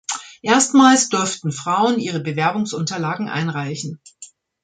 Erstmals durften Frauen ihre Bewerbungsunterlagen einreichen.